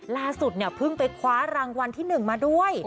ล่าสุดเนี่ยเพิ่งไปคว้ารางวัลที่๑มาด้วย